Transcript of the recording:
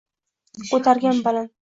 Ko’targin baland